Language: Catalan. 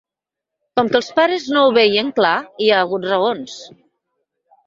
Com que els pares no ho veien clar hi ha hagut raons.